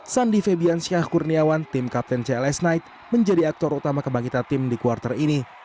sandi febian syah kurniawan tim kapten cls knight menjadi aktor utama kebangkitan tim di kuartal ini